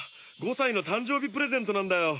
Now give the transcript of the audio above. ５さいのたんじょうびプレゼントなんだよ！